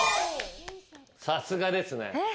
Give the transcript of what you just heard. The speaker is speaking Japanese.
さすがですね。